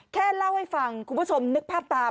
แค่เล่าให้ฟังคุณผู้ชมนึกภาพตาม